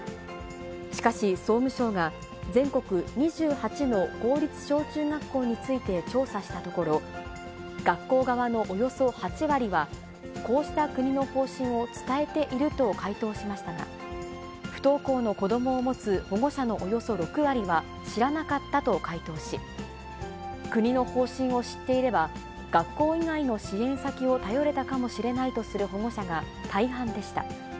しかし、総務省が全国２８の公立小中学校について調査したところ、学校側のおよそ８割は、こうした国の方針を伝えていると回答しましたが、不登校の子どもを持つ保護者のおよそ６割は知らなかったと回答し、国の方針を知っていれば、学校以外の支援先を頼れたかもしれないとする保護者が大半でした。